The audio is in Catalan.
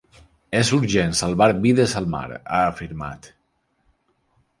És urgent salvar vides al mar, ha afirmat.